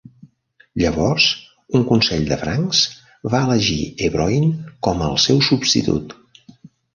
Llavors, un consell de Francs va elegir Ebroin com al seu substitut.